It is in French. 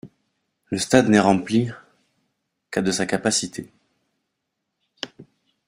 Le stade n'est rempli qu'à de sa capacité.